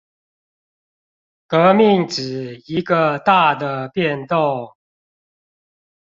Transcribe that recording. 革命指一個大的變動